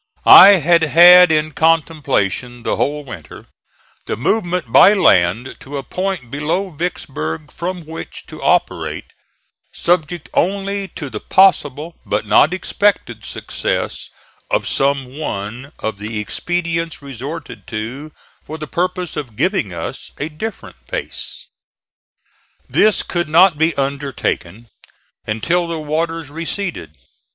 I had had in contemplation the whole winter the movement by land to a point below Vicksburg from which to operate, subject only to the possible but not expected success of some one of the expedients resorted to for the purpose of giving us a different base. This could not be undertaken until the waters receded.